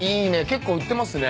結構売ってますね。